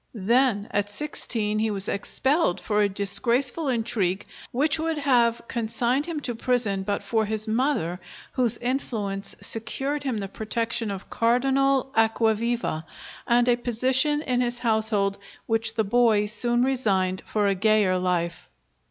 Then at sixteen he was expelled for a disgraceful intrigue, which would have consigned him to prison but for his mother, whose influence secured him the protection of Cardinal Acquaviva and a position in his household, which the boy soon resigned for a gayer life.